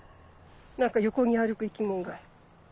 何か横に歩く生き物が。